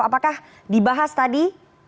apakah dibahas tadi